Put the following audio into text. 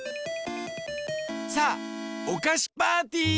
さあおかしパーティー！